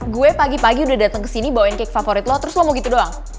gue pagi pagi udah datang ke sini bawain cake favorit lo terus lo mau gitu doang